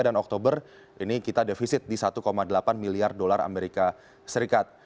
dan oktober ini kita defisit di satu delapan miliar dolar amerika serikat